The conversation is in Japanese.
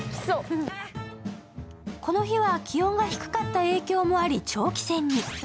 この日は気温が低かった影響もあり長期戦に。